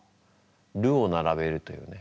「る」を並べるというね。